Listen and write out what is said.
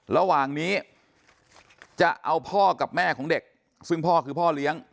ระหว่างนี้จะเอาพ่อกับแม่ของเด็กซึ่งพ่อคือพ่อเลี้ยง